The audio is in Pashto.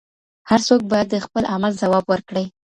هر څوک باید د خپل عمل ځواب ورکړي.